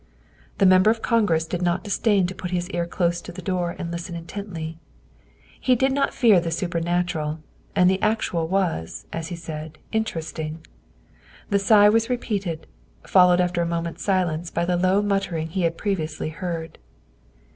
The Member of Congress did not disdain to put his ear close to the door and listen intently; he did not fear the supernatural, and the actual was, as he said, interesting. The sigh was re peated, followed after a moment's silence by the low muttering he had previously heard.